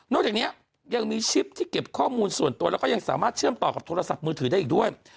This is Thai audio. จากนี้ยังมีชิปที่เก็บข้อมูลส่วนตัวแล้วก็ยังสามารถเชื่อมต่อกับโทรศัพท์มือถือได้อีกด้วย